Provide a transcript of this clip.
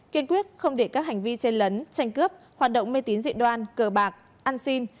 kiên quyết không để các hành vi chen lấn tranh cướp hoạt động mê tín dị đoan cờ bạc ăn xin